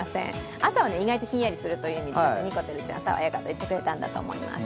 朝は意外とひんやりするということで、にこてるちゃん、爽やかと言ってくれたんだと思います。